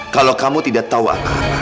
kalau kamu tidak tahu apa apa